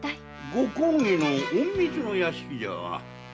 ご公儀の隠密の屋敷じゃが。